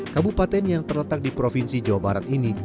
kabupaten yang terletak di provinsi jawa barat ini